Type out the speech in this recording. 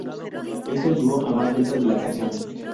Esto llevó a más ventas de la canción.